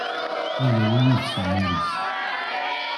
Ad yawi yid-s amur-is.